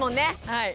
はい。